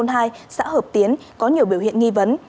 tỉnh thuận hai xã hợp tiến có nhiều biểu hiện nghi vấn